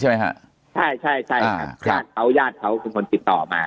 ใช่ไหมฮะใช่ใช่ใช่ครับครับญาติเขาญาติเขาคือคนติดต่อมา